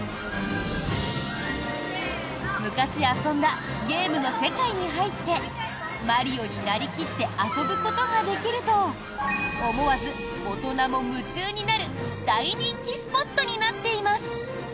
昔、遊んだゲームの世界に入ってマリオになり切って遊ぶことができると思わず大人も夢中になる大人気スポットになっています！